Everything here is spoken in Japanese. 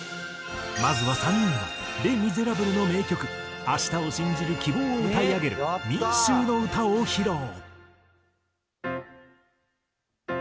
まずは３人が『レ・ミゼラブル』の名曲明日を信じる希望を歌い上げる『民衆の歌』を披露！